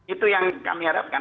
itu yang kami harapkan